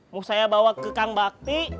mau saya bawa ke kang bakti